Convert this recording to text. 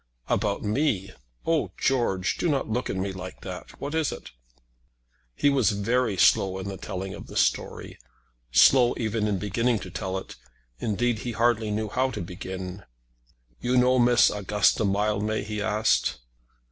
"About me! Oh, George! do not look at me like that. What is it?" He was very slow in the telling of the story; slow even in beginning to tell it; indeed, he hardly knew how to begin. "You know Miss Augusta Mildmay?" he asked.